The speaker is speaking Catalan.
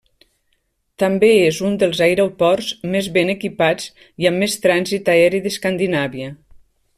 També és un dels aeroports més ben equipats i amb més trànsit aeri d'Escandinàvia.